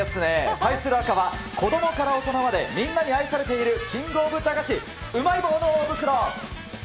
対する赤は、子どもから大人までみんなに愛されているキングオブ駄菓子、うまい棒の大袋。